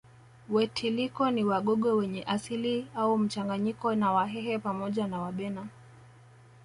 Wetiliko ni Wagogo wenye asili au mchanganyiko na Wahehe pamoja na Wabena